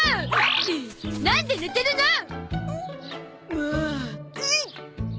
もううっ！